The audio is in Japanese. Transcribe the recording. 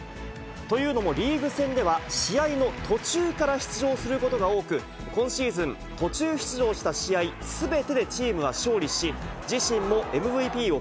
というのも、リーグ戦では試合の途中から出場することが多く、今シーズン、途中出場した試合すべてでチームは勝利し、自身もＭＶＰを獲得。